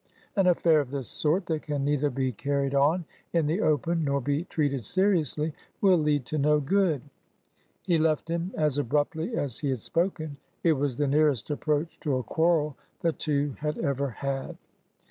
An aflfair of this sort, that can neither be carried on in the open nor be treated seriously, will lead to no good." He left him as abruptly as he had spoken. It was the nearest approach to a quarrel the two had ever had.